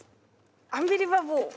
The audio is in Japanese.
アンビリバボー！